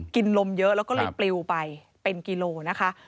กินลมเยอะแล้วก็เลยปลิวไปเป็นกิโลนะคะ